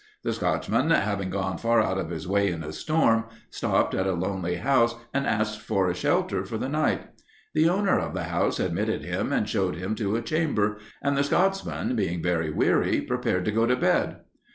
The Scotchman, having gone far out of his way in a storm, stopped at a lonely house and asked for a shelter for the night. The owner of the house admitted him and showed him to a chamber, and the Scotchman, being very weary, prepared to go to bed.